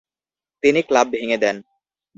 তিনি ক্লাব ভেঙে দেন।